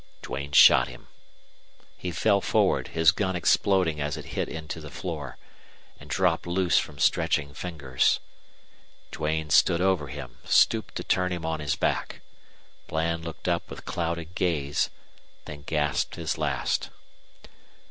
Duane shot him. He fell forward, his gun exploding as it hit into the floor, and dropped loose from stretching fingers. Duane stood over him, stooped to turn him on his back. Bland looked up with clouded gaze, then gasped his last.